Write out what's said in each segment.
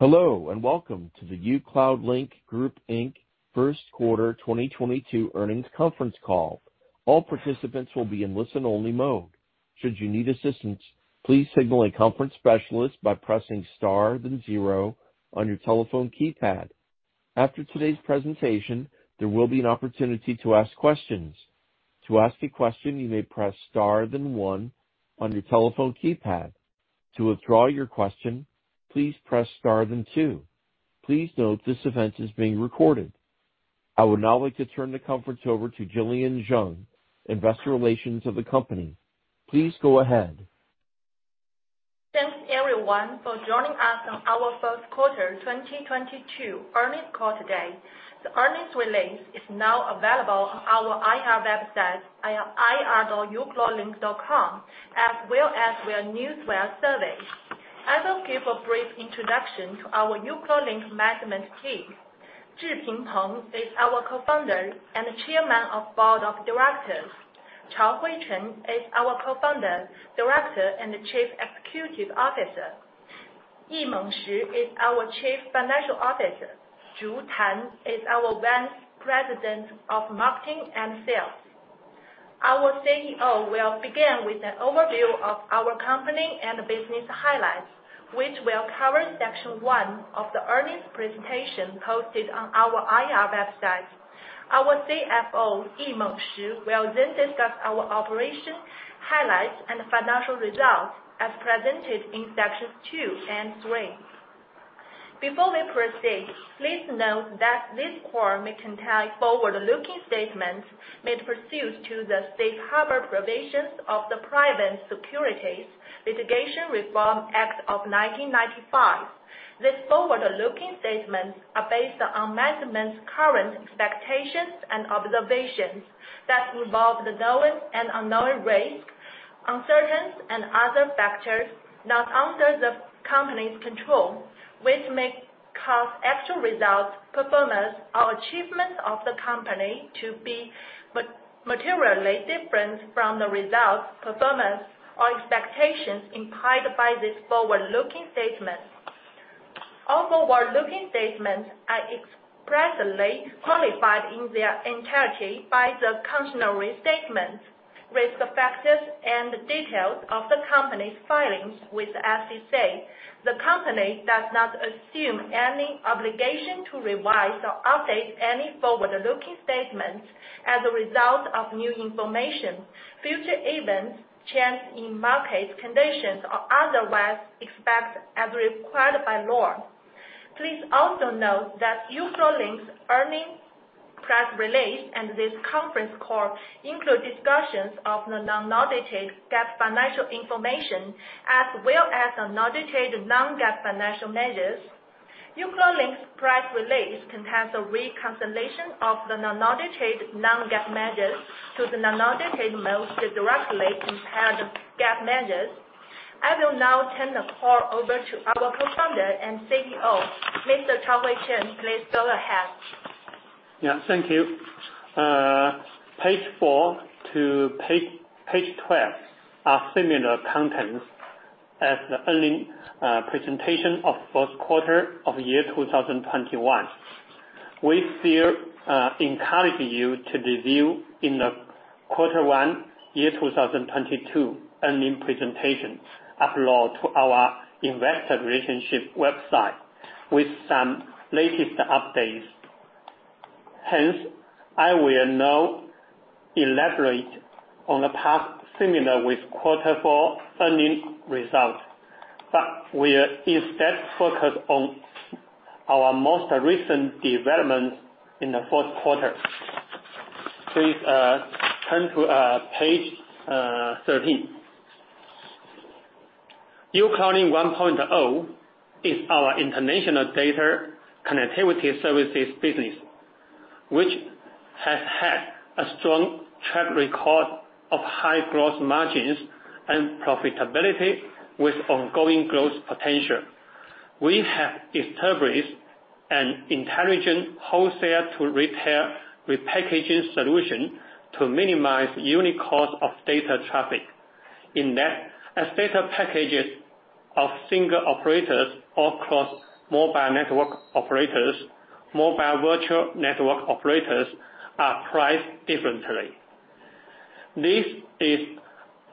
Hello, and welcome to the uCloudlink Group Inc. first quarter 2022 earnings conference call. All participants will be in listen-only mode. Should you need assistance, please signal a conference specialist by pressing star then zero on your telephone keypad. After today's presentation, there will be an opportunity to ask questions. To ask a question, you may press star then one on your telephone keypad. To withdraw your question, please press star then two. Please note this event is being recorded. I would now like to turn the conference over to Jillian Zeng, investor relations of the company. Please go ahead. Thanks, everyone, for joining us on our first quarter 2022 earnings call today. The earnings release is now available on our IR website at ir.ucloudlink.com, as well as via Newswire service. I will give a brief introduction to our uCloudlink management team. Zhiping Peng is our co-founder and Chairman of the Board of Directors. Chaohui Chen is our co-founder, director, and chief executive officer. Yimeng Shi is our chief financial officer. Zhu Tan is our vice president of marketing and sales. Our CEO will begin with an overview of our company and business highlights, which will cover section one of the earnings presentation posted on our IR website. Our CFO, Yimeng Shi, will then discuss our operation highlights and financial results as presented in sections two and three. Before we proceed, please note that this call may contain forward-looking statements made pursuant to the Safe Harbor provisions of the Private Securities Litigation Reform Act of 1995. These forward-looking statements are based on management's current expectations and observations that involve the known and unknown risks, uncertainties, and other factors not under the company's control, which may cause actual results, performance, or achievements of the company to be materially different from the results, performance, or expectations implied by these forward-looking statements. All forward-looking statements are expressly qualified in their entirety by the cautionary statements, risk factors, and details of the company's filings with the SEC. The company does not assume any obligation to revise or update any forward-looking statements as a result of new information, future events, change in market conditions, or otherwise, except as required by law. Please also note that uCloudlink's earnings press release and this conference call include discussions of the unaudited GAAP financial information, as well as unaudited non-GAAP financial measures. uCloudlink's press release contains a reconciliation of the unaudited non-GAAP measures to the unaudited most directly compared GAAP measures. I will now turn the call over to our Co-founder and CEO, Mr. Chaohui Chen. Please go ahead. Yeah, thank you. Page four to page 12 are similar contents as the earnings presentation of first quarter of 2021. We still encourage you to review the quarter one, 2022 earnings presentation uploaded to our investor relations website with some latest updates. Hence, I will now elaborate on the past, similar to quarter four earnings results, but we instead focus on our most recent developments in the fourth quarter. Please turn to page 13. uCloudlink 1.0 is our international data connectivity services business, which has had a strong track record of high growth margins and profitability with ongoing growth potential. We have established an intelligent wholesale-to-retail repackaging solution to minimize unit cost of data traffic. In that, as data packages of single operators across mobile network operators, mobile virtual network operators are priced differently. This is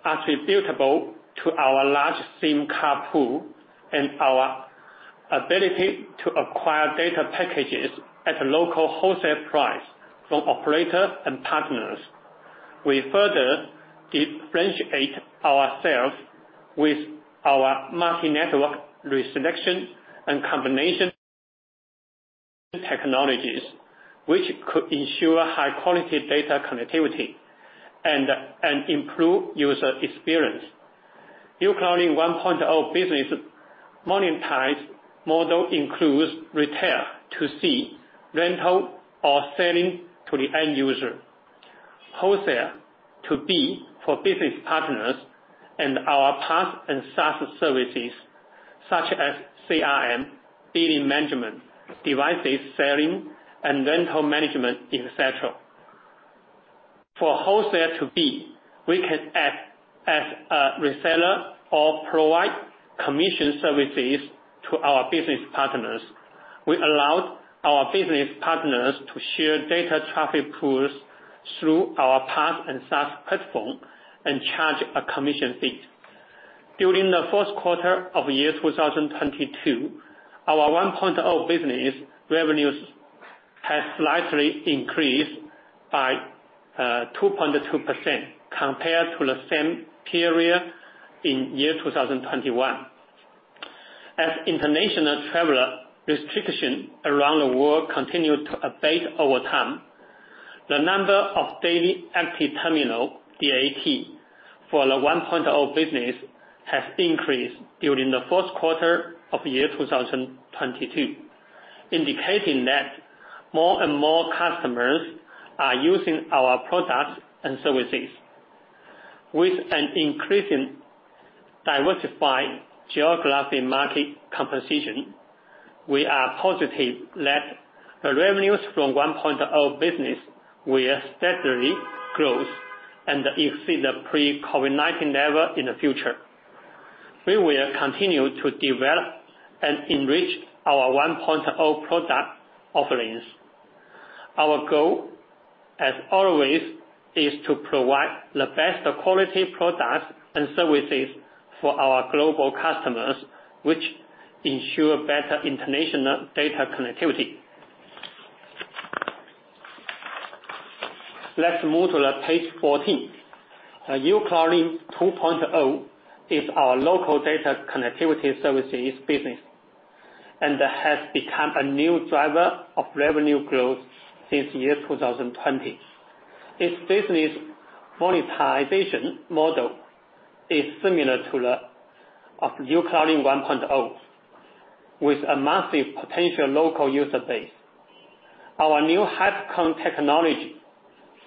attributable to our large SIM card pool and our ability to acquire data packages at a local wholesale price from operators and partners. We further differentiate ourselves with our multi-network selection and combination technologies, which could ensure high-quality data connectivity and improve user experience. uCloudlink 1.0 business monetization model includes retail B2C, rental or selling to the end user. Wholesaler B2B for business partners and our PaaS and SaaS services such as CRM, billing management, device selling, and rental management, et cetera. For wholesaler B2B, we can act as a reseller or provide commission services to our business partners. We allow our business partners to share data traffic pools through our PaaS and SaaS platform and charge a commission fee. During the first quarter of 2022, our 1.0 business revenues has slightly increased by 2.2% compared to the same period in 2021. As international travel restrictions around the world continue to abate over time, the number of daily active terminals, DAT, for the 1.0 business has increased during the first quarter of 2022, indicating that more and more customers are using our products and services. With an increasingly diversified geographic market composition, we are positive that the revenues from 1.0 business will steadily grow and exceed the pre-COVID-19 level in the future. We will continue to develop and enrich our 1.0 product offerings. Our goal, as always, is to provide the best quality products and services for our global customers, which ensure better international data connectivity. Let's move to page 14. uCloudlink 2.0 is our local data connectivity services business, and it has become a new driver of revenue growth since 2020. Its business monetization model is similar to that of uCloudlink 1.0, with a massive potential local user base. Our new HyperConn technology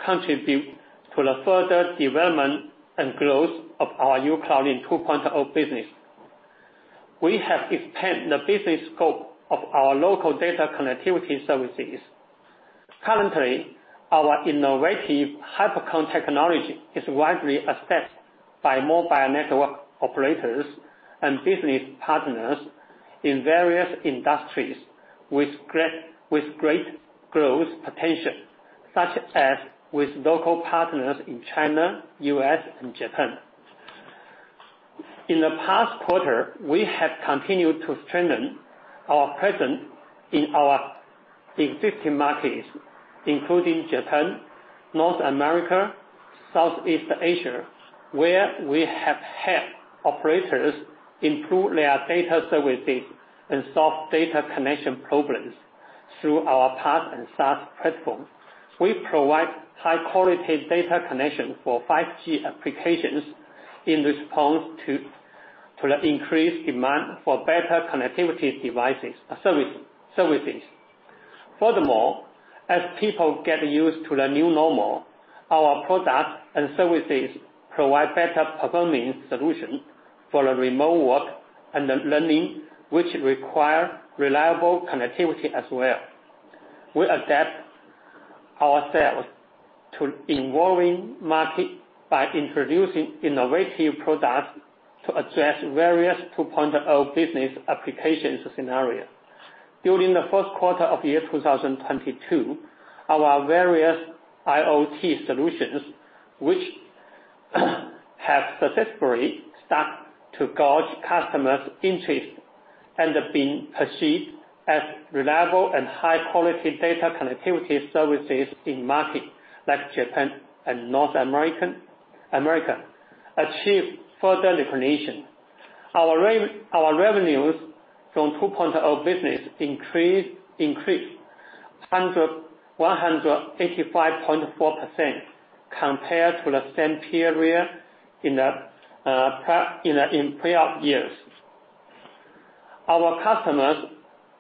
contribute to the further development and growth of our uCloudlink 2.0 business. We have expanded the business scope of our local data connectivity services. Currently, our innovative HyperConn technology is widely accepted by mobile network operators and business partners in various industries with great growth potential, such as with local partners in China, U.S., and Japan. In the past quarter, we have continued to strengthen our presence in our existing markets, including Japan, North America, Southeast Asia, where we have helped operators improve their data services and solve data connection problems through our PaaS and SaaS platform. We provide high quality data connection for 5G applications in response to the increased demand for better connectivity devices or services. Furthermore, as people get used to the new normal, our products and services provide better performing solution for the remote work and the learning, which require reliable connectivity as well. We adapt ourselves to evolving market by introducing innovative products to address various 2.0 business applications scenario. During the first quarter of 2022, our various IoT solutions which have successfully started to gauge customers' interest and have been perceived as reliable and high quality data connectivity services in markets like Japan and North America achieved further recognition. Our revenues from 2.0 business increased 185.4% compared to the same period in prior years. Our customers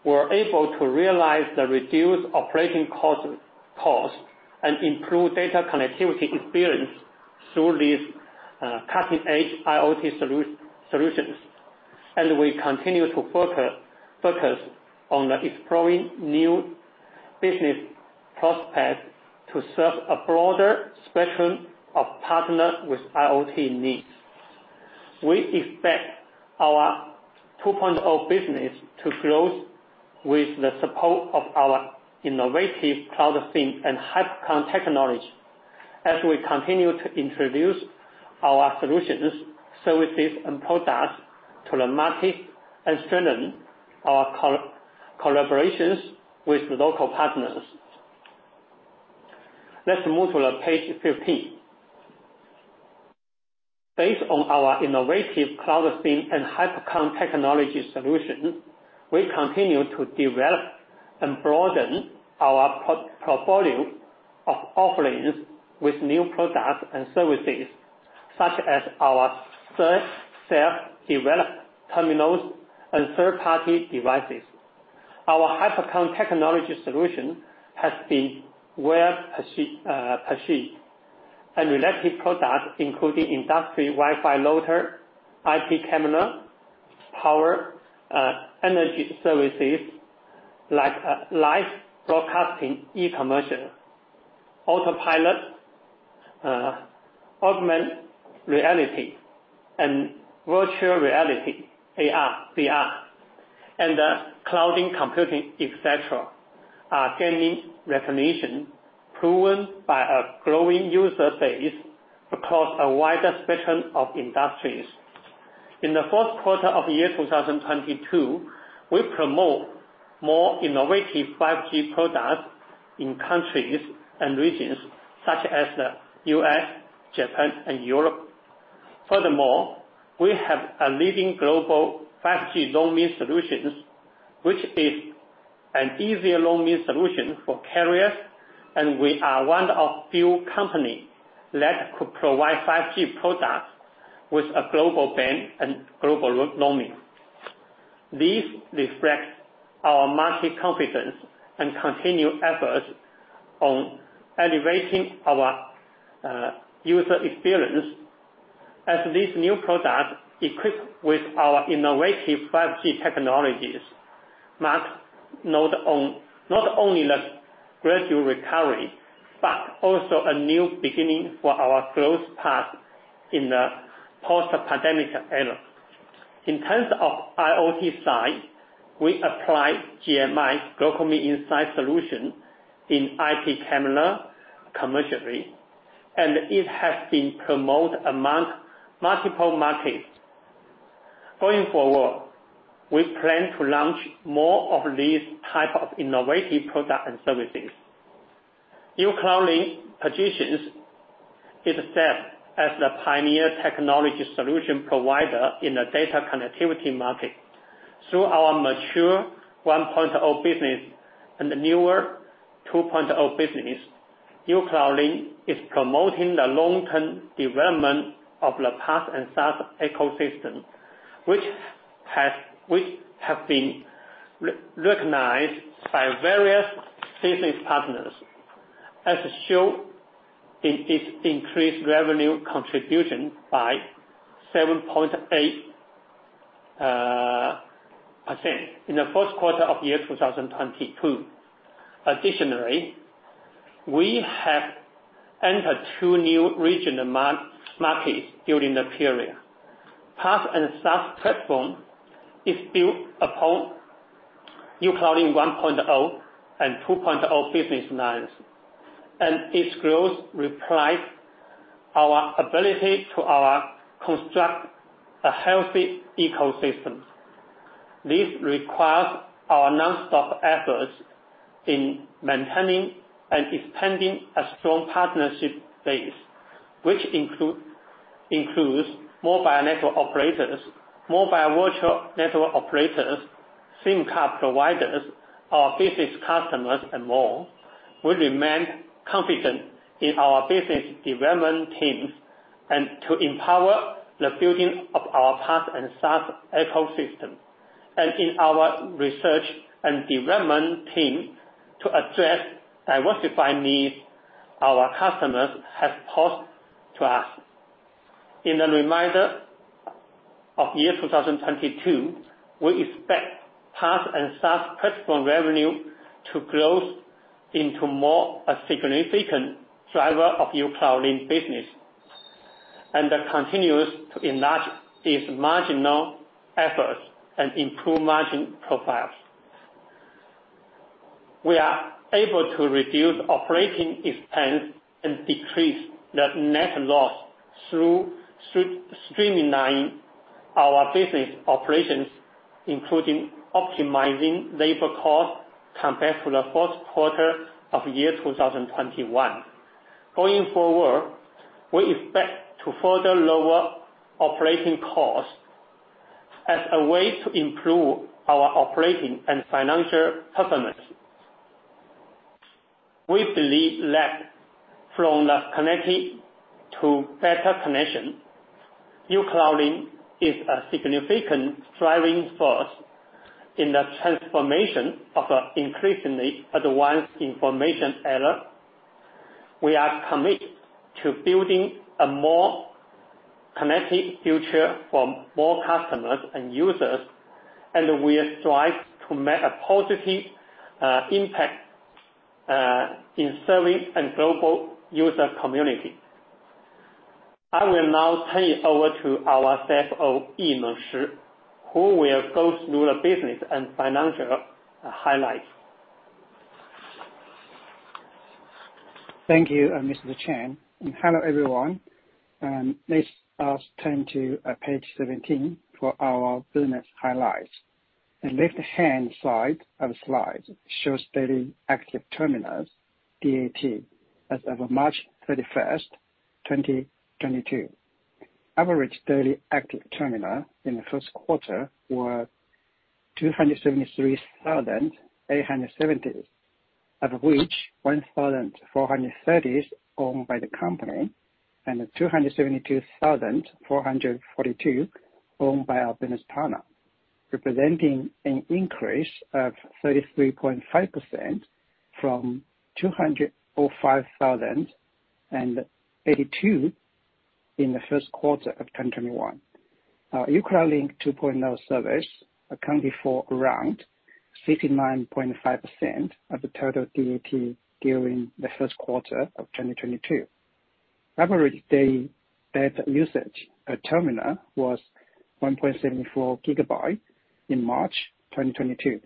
were able to realize the reduced operating cost and improve data connectivity experience through these cutting-edge IoT solutions. We continue to focus on exploring new business prospects to serve a broader spectrum of partners with IoT needs. We expect our 2.0 business to grow with the support of our innovative Cloud SIM and HyperConn technology as we continue to introduce our solutions, services and products to the market and strengthen our collaborations with local partners. Let's move to page 15. Based on our innovative Cloud SIM and HyperConn technology solutions, we continue to develop and broaden our portfolio of offerings with new products and services, such as our self-developed terminals and third-party devices. Our HyperConn technology solution has been well perceived, and related products including industry Wi-Fi router, IP camera, power energy services like live broadcasting, e-commerce, autopilot, augmented reality and virtual reality, AR, VR, and cloud computing, etc., are gaining recognition proven by a growing user base across a wider spectrum of industries. In the fourth quarter of 2022, we promote more innovative 5G products in countries and regions such as the U.S., Japan and Europe. Furthermore, we have a leading global 5G roaming solutions, which is an easier roaming solution for carriers, and we are one of few company that could provide 5G products with a global band and global roaming. These reflect our market confidence and continued efforts on elevating our user experience as this new product equipped with our innovative 5G technologies marks not only the gradual recovery, but also a new beginning for our growth path in the post-pandemic era. In terms of IoT side, we apply GMI, GlocalMe Inside solution in IP camera commercially, and it has been promoted among multiple markets. Going forward, we plan to launch more of these type of innovative products and services. uCloudlink positions itself as the pioneer technology solution provider in the data connectivity market. Through our mature 1.0 business and the newer 2.0 business, uCloudlink is promoting the long-term development of the PaaS and SaaS ecosystem, which have been recognized by various business partners as it shows its increased revenue contribution by 7.8% in the first quarter of 2022. Additionally, we have entered two new regional markets during the period. PaaS and SaaS platform is built upon uCloudlink 1.0 and 2.0 business lines, and its growth reflects our ability to construct a healthy ecosystem. This requires our non-stop efforts in maintaining and expanding a strong partnership base, which includes mobile network operators, mobile virtual network operators, SIM card providers, our business customers and more. We remain confident in our business development teams and to empower the building of our PaaS and SaaS ecosystem, and in our research and development team to address diversified needs our customers have posed to us. In the remainder of 2022, we expect PaaS and SaaS platform revenue to grow into a more significant driver of uCloudlink business, and that continues to enlarge its margins and improve margin profiles. We are able to reduce operating expense and decrease the net loss through streamlining our business operations, including optimizing labor cost compared to the fourth quarter of 2021. Going forward, we expect to further lower operating costs as a way to improve our operating and financial performance. We believe that from the connected to better connection, uCloudlink is a significant driving force in the transformation of a increasingly advanced information era. We are committed to building a more connected future for more customers and users, and we strive to make a positive impact in serving the global user community. I will now turn it over to our CFO, Yimeng Shi, who will go through the business and financial highlights. Thank you, Mr. Chen, and hello, everyone. Let us turn to page 17 for our business highlights. The left-hand side of the slide shows daily active terminals, DAT, as of March 31, 2022. Average daily active terminal in the first quarter were 273,870, of which 1,430 is owned by the company, and 272,442 owned by our business partner, representing an increase of 33.5% from 205,082 in the first quarter of 2021. Our uCloudlink 2.0 service accounted for around 69.5% of the total DAT during the first quarter of 2022. Average daily data usage per terminal was 1.74 GB in March 2022.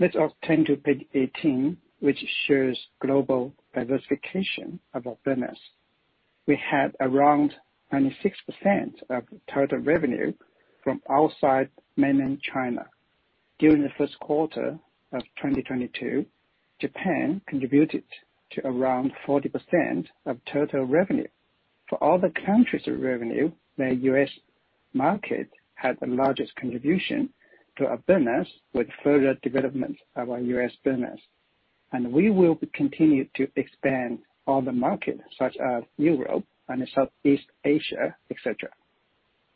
Let's now turn to page 18, which shows global diversification of our business. We have around 96% of total revenue from outside mainland China. During the first quarter of 2022, Japan contributed to around 40% of total revenue. For other countries' revenue, the U.S. market had the largest contribution to our business with further development of our U.S. business. We will continue to expand other markets such as Europe and Southeast Asia, et cetera.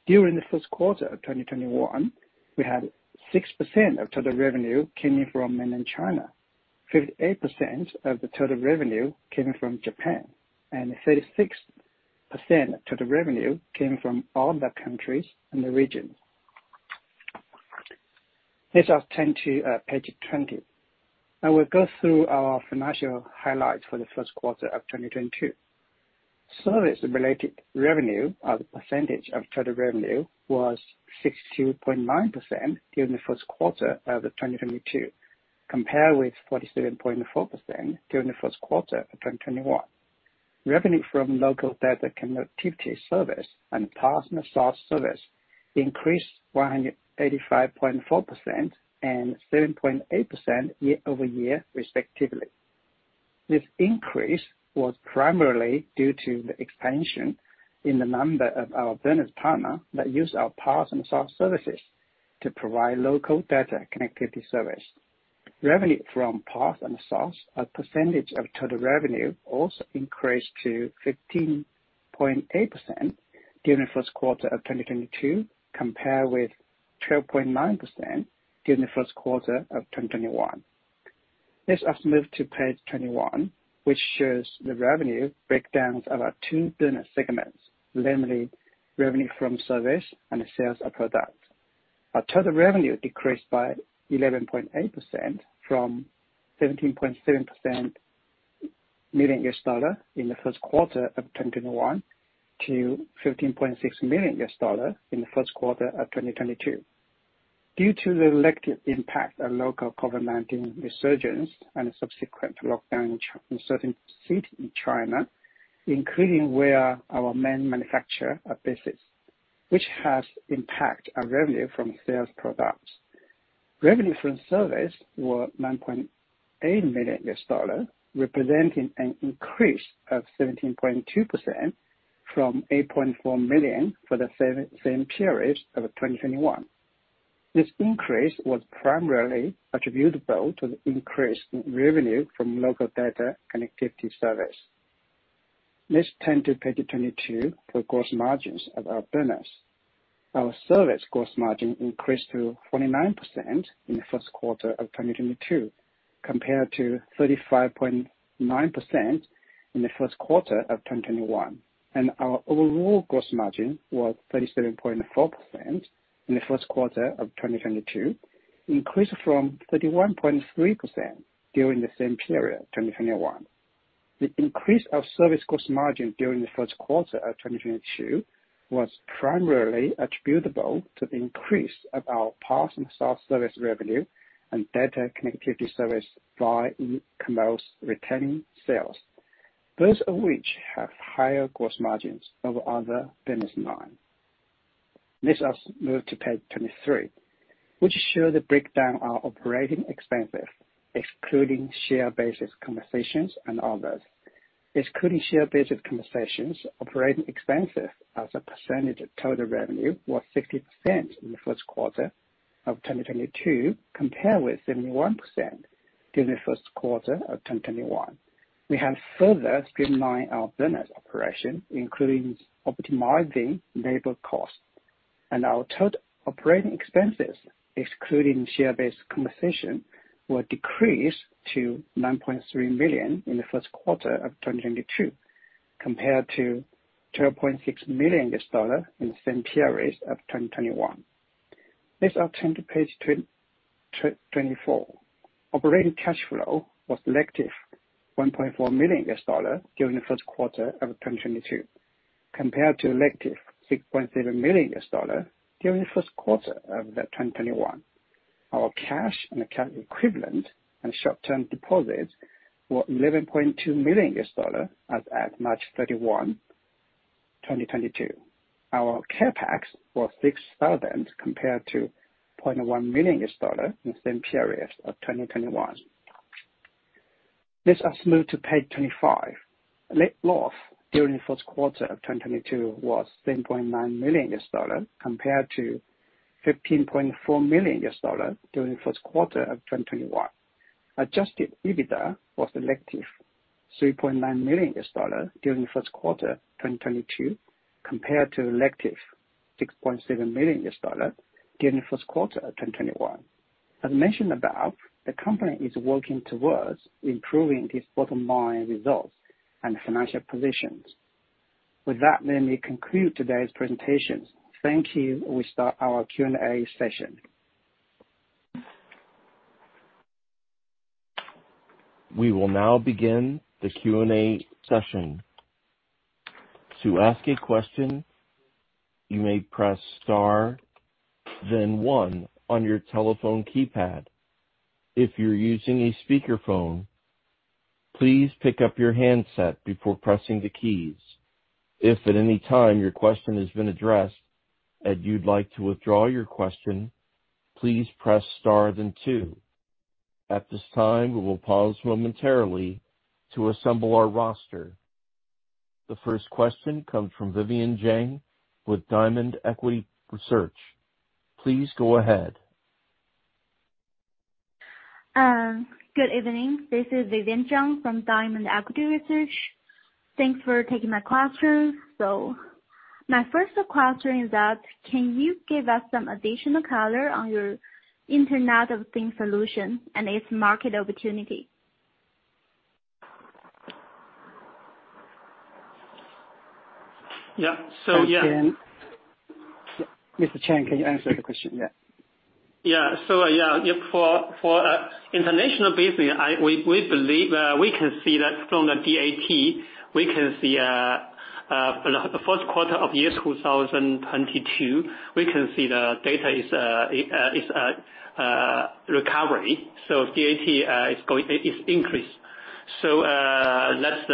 During the first quarter of 2021, we had 6% of total revenue coming from mainland China. 58% of the total revenue came from Japan, and 36% total revenue came from other countries in the region. Let us turn to page 20. I will go through our financial highlights for the first quarter of 2022. Service-related revenue as a percentage of total revenue was 62.9% during the first quarter of 2022, compared with 47.4% during the first quarter of 2021. Revenue from local data connectivity service and platform as a service increased 185.4% and 7.8% year-over-year, respectively. This increase was primarily due to the expansion in the number of our business partners that use our platform as a service to provide local data connectivity service. Revenue from platform as a SaaS, as a percentage of total revenue, also increased to 15.8% during the first quarter of 2022, compared with 12.9% during the first quarter of 2021. Let us move to page 21, which shows the revenue breakdowns of our two business segments, namely revenue from service and sales of products. Our total revenue decreased by 11.8% from $17.7 million in the first quarter of 2021 to $15.6 million in the first quarter of 2022. Due to the negative impact of local COVID-19 resurgence and subsequent lockdown in certain cities in China, including where our main manufacturer are based, which has impact on revenue from sales products. Revenue from service were $9.8 million, representing an increase of 17.2% from $8.4 million for the same period of 2021. This increase was primarily attributable to the increased revenue from local data connectivity service. Let's turn to page 22 for gross margins of our business. Our service gross margin increased to 49% in the first quarter of 2022, compared to 35.9% in the first quarter of 2021. Our overall gross margin was 37.4% in the first quarter of 2022, increased from 31.3% during the same period, 2021. The increase of service gross margin during the first quarter of 2022 was primarily attributable to the increase of our platform as a service revenue and data connectivity service via e-commerce and retail sales, both of which have higher gross margins over other business lines. Let us move to page 23, which shows the breakdown of operating expenses, excluding share-based compensations and others. Excluding share-based compensations, operating expenses as a percentage of total revenue was 60% in the first quarter of 2022, compared with 71% during the first quarter of 2021. We have further streamlined our business operations, including optimizing labor costs. Our total operating expenses, excluding share-based compensation, were decreased to $9.3 million in the first quarter of 2022, compared to $12.6 million in the same period of 2021. Let's now turn to page 24. Operating cash flow was negative $1.4 million during the first quarter of 2022, compared to negative $6.7 million during the first quarter of 2021. Our cash and cash equivalents and short-term deposits were $11.2 million as of March 31, 2022. Our CapEx was $6,000, compared to $0.1 million in the same period of 2021. Let us move to page 25. Net loss during the first quarter of 2022 was $10.9 million compared to $15.4 million during the first quarter of 2021. Adjusted EBITDA was negative $3.9 million during the first quarter 2022, compared to negative $6.7 million during the first quarter of 2021. As mentioned above, the company is working towards improving its bottom line results and financial positions. With that, let me conclude today's presentation. Thank you. We start our Q&A session. We will now begin the Q&A session. To ask a question, you may press star then one on your telephone keypad. If you're using a speaker phone, please pick up your handset before pressing the keys. If at any time your question has been addressed and you'd like to withdraw your question, please press star then two. At this time, we will pause momentarily to assemble our roster. The first question comes from Vivian Zhang with Diamond Equity Research. Please go ahead. Good evening. This is Vivian Zhang from Diamond Equity Research. Thanks for taking my questions. My first question is that can you give us some additional color on your Internet of Things solution and its market opportunity? Yeah. Yeah. Thanks, Vivian. Mr. Chen, can you answer the question? Yeah. For international business, we believe we can see that from the DAU. We can see the first quarter of 2022, we can see the data is recovering. DAU is increased. That's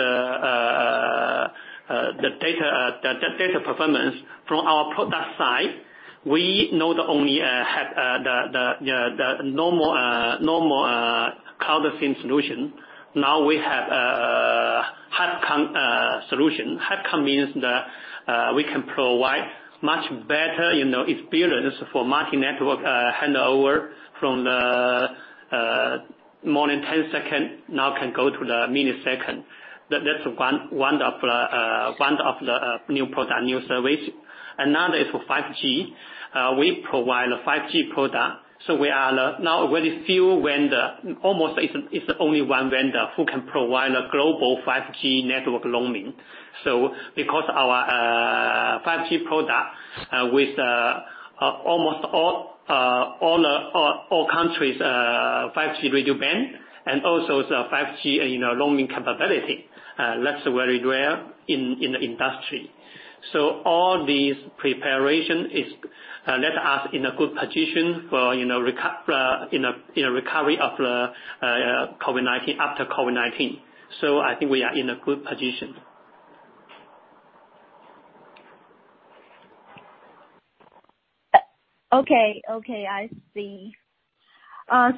the data performance from our product side. We not only have the normal Cloud SIM solution. Now we have HyperConn solution. HyperConn means we can provide much better, you know, experience for multi-network handover from more than 10 seconds, now can go to the millisecond. That's one of the new product, new service. Another is for 5G. We provide a 5G product, so we are now very few vendor. Almost it's the only one vendor who can provide a global 5G network roaming. Because our 5G product with almost all countries 5G radio band and also the 5G, you know, roaming capability, that's very rare in the industry. All these preparation is let us in a good position for, you know, in a recovery of the COVID-19, after COVID-19. I think we are in a good position. Okay, I see. My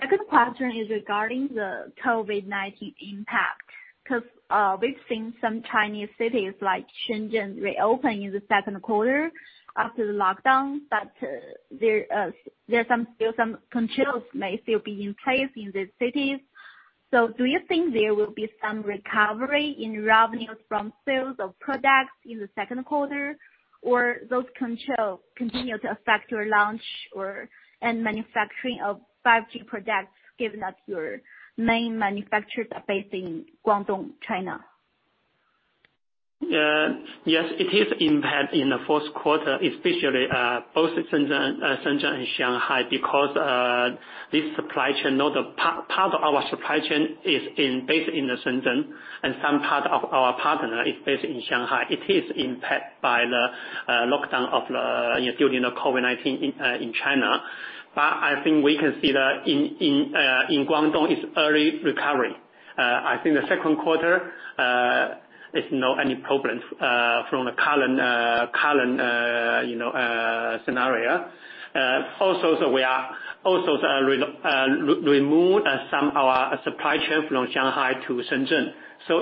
second question is regarding the COVID-19 impact, 'cause we've seen some Chinese cities like Shenzhen reopen in the second quarter after the lockdown. There are some controls that may still be in place in these cities. Do you think there will be some recovery in revenues from sales of products in the second quarter, or those controls continue to affect your launch and manufacturing of 5G products, given that your main manufacturers are based in Guangdong, China? Yes, it has impact in the first quarter, especially both Shenzhen and Shanghai because part of our supply chain is based in Shenzhen and some part of our partner is based in Shanghai. It is impacted by the lockdown during the COVID-19 in China. I think we can see that in Guangdong, it's early recovery. I think the second quarter is not any problems from the current you know scenario. We are also removing some of our supply chain from Shanghai to Shenzhen.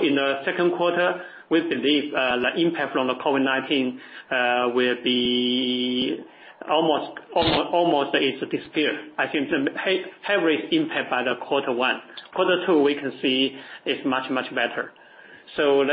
In the second quarter, we believe the impact from the COVID-19 will be almost disappear. I think the heavy impact in quarter one. Quarter two, we can see it's much, much better. That's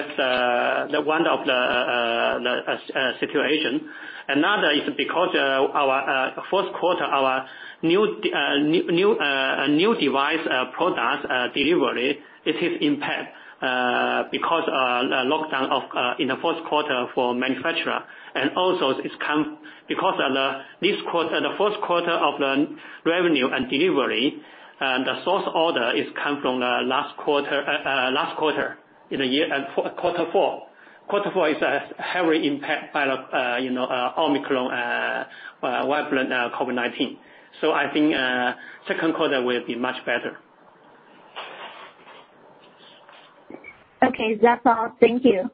one of the situations. Another is because our first quarter, our new device products delivery it is impact because lockdown in the first quarter for manufacturer and also it's come because of the, this quarter, the first quarter of the revenue and delivery, the source order is come from the last quarter, last quarter in the year. Quarter four. Quarter four is a heavy impact by the, you know, OMICRON variant, COVID-19. I think second quarter will be much better. Okay. That's all. Thank you.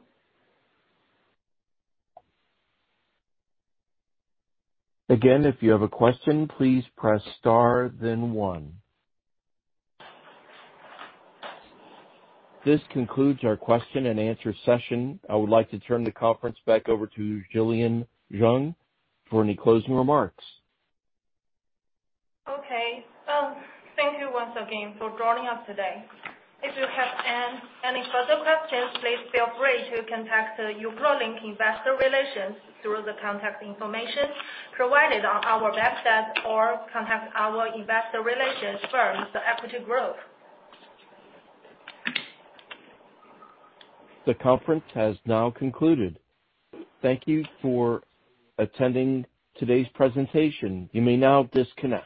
Again, if you have a question, please press star then one. This concludes our question and answer session. I would like to turn the conference back over to Jillian Zeng for any closing remarks. Thank you once again for joining us today. If you have any further questions, please feel free to contact uCloudlink Investor Relations through the contact information provided on our website, or contact our investor relations firm, The Equity Group. The conference has now concluded. Thank you for attending today's presentation. You may now disconnect.